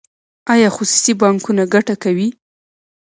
آیا خصوصي بانکونه ګټه کوي؟